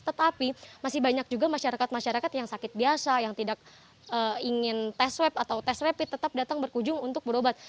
tetapi masih banyak juga masyarakat masyarakat yang sakit biasa yang tidak ingin tes swab atau tes rapid tetap datang berkujung untuk berobat